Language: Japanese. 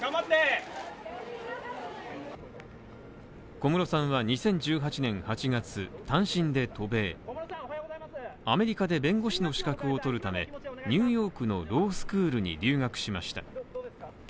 小室さんは２０１８年８月、単身で渡米アメリカで弁護士の資格を取るためニューヨークのロースクールに留学しました。